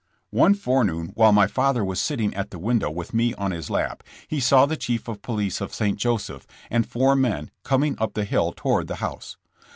One forenoon while my father was sitting at the window with me on his lap, he saw the chief of police of St. Joseph, and four men coming up the hill to ward the house.